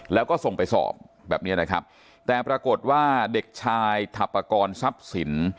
แล้วก็ส่งไปสอบแบบเนี้ยนะครับแต่ปรากฏว่าเด็กชายถัปกรทรัพย์สิน